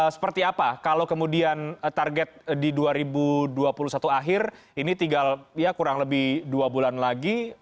seperti apa kalau kemudian target di dua ribu dua puluh satu akhir ini tinggal ya kurang lebih dua bulan lagi